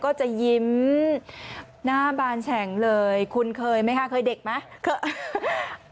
ก็จะยิ้มหน้าบานแฉ่งเลยคุณเคยไหมคะเคยเด็กไหมเคย